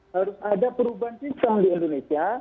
harus ada perubahan sistem di indonesia